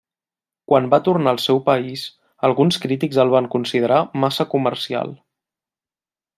Quan va tornar al seu país alguns crítics el van considerar massa comercial.